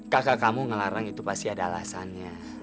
kakak kamu ngelarang itu pasti ada alasannya